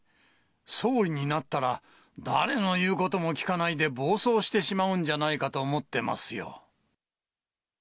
総理になったら、誰の言うことも聞かないで暴走してしまうんじゃないかと思ってますよ。